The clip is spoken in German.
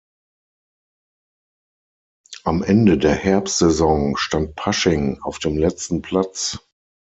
Am Ende der Herbstsaison stand Pasching auf dem letzten Platz.